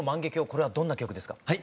これはどんな曲ですか？